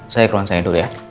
saya keluang saya dulu ya